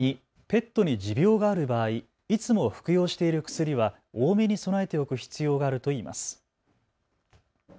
さらにペットに持病がある場合、いつも服用している薬は多めに備えておく必要があるといいます。